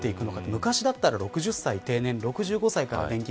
昔だったら６０歳定年６５歳から年金。